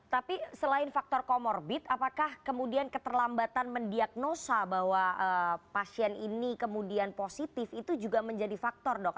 tapi selain faktor comorbid apakah kemudian keterlambatan mendiagnosa bahwa pasien ini kemudian positif itu juga menjadi faktor dok